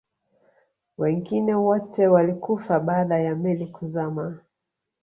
wengine wote walikufa baada ya meli kuzama